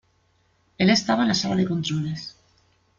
Él estaba en la sala de controles.